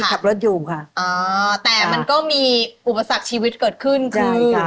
แต่มันก็มีอุปสรรคชีวิตเกิดขึ้นคือ